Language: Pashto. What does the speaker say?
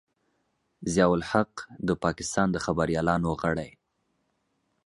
ضیا الحق د پاکستان د خبریالانو غړی.